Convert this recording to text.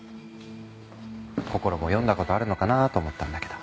こころも読んだ事あるのかなと思ったんだけど。